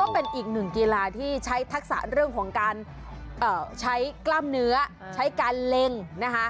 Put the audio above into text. ก็เป็นอีกหนึ่งกีฬาที่ใช้ทักษะเรื่องของการใช้กล้ามเนื้อใช้การเล็งนะคะ